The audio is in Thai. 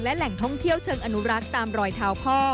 และแหล่งท่องเที่ยวเชิงอนุรักษ์ตามรอยเท้าพ่อ